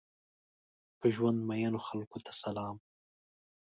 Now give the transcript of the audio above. په ژوند مئینو خلکو ته سلام!